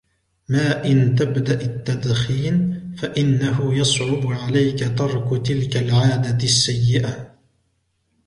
ما إنْ تبدأ التدخين ، فإنه يصعب عليك ترك تلك العادة السيئة.